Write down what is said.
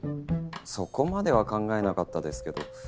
そこまでは考えなかったですけど。